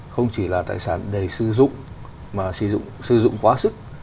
không chỉ là tài sản đầy sử dụng mà sử dụng quá sức